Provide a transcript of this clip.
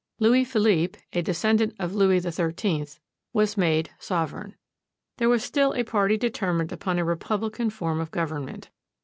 Louis Philippe, a descendant of Louis XIII, was made sovereign. There was still a party determined upon a republican form of government.